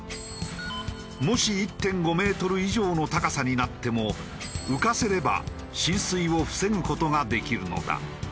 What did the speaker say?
もし１．５メートル以上の高さになっても浮かせれば浸水を防ぐ事ができるのだ。